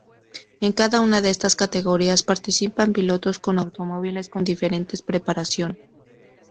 En cada una de estas categorías participan pilotos con automóviles con diferente preparación.